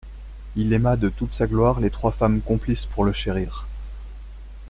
Il aima de toute sa gloire les trois femmes complices pour le chérir.